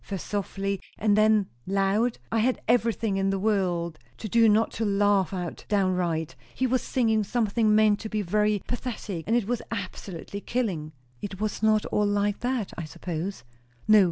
first softly and then loud? I had everything in the world to do not to laugh out downright. He was singing something meant to be very pathetic; and it was absolutely killing." "It was not all like that, I suppose?" "No.